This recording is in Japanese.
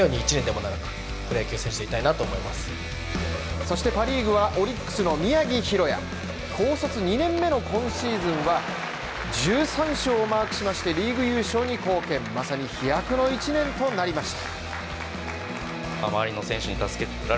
そしてパ・リーグはオリックスの宮城大弥、高卒２年目の今シーズンは１３勝をマークしましてリーグ優勝に貢献、まさに飛躍の１年となりました。